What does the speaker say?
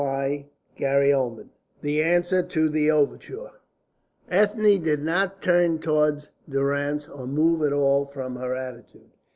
CHAPTER XVIII THE ANSWER TO THE OVERTURE Ethne did not turn towards Durrance or move at all from her attitude.